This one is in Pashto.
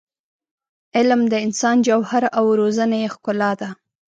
علم د انسان جوهر او روزنه یې ښکلا ده.